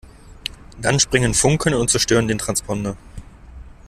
Dann springen Funken und zerstören den Transponder.